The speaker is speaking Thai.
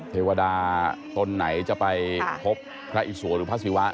เทวดาตนไหนจะไปพบพระอิสวหรือพระศิวะ